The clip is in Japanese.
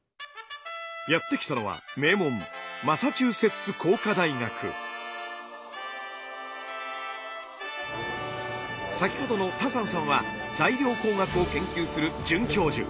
やって来たのは名門先ほどのタサンさんは材料工学を研究する准教授。